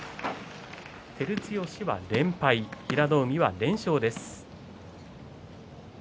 照強は連敗、平戸海は連勝です。